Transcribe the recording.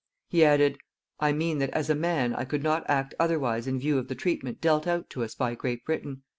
He added: "I mean that as a man I could not act otherwise in view of the treatment dealt out to us by Great Britain.